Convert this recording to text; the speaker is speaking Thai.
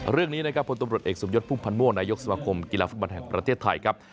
เรื่องนี้นะครับพลตำรวจเอกสมยศพุ่มพันธ์ม่วงนายกสมาคมกีฬาฟุตบอลแห่งประเทศไทยครับ